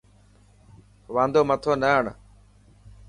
واندو مٿو نه هڻ.